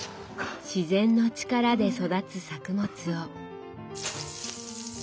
自然の力で育つ作物を。